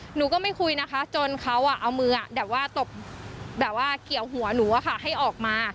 หนูก็ไม่คุยนะคะจนเขาเอามือแบบว่าตบแบบว่าเกี่ยวหัวหนูให้ออกมา